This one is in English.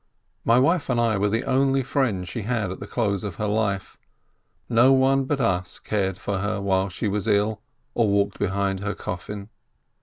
My wife and I were the only friends she had at the close of her life, no one but us cared for her while she was ill, or walked behind her coffin.